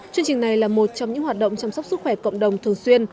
chương trình này là một trong những hoạt động chăm sóc sức khỏe cộng đồng thường xuyên